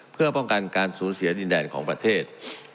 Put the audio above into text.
เพื่อป้องกันการสูญเสียดินแดนของประเทศ